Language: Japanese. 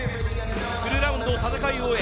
フルラウンドを戦い終え